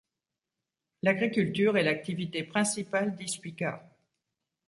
L'agriculture est l'activité principale d'Ispica.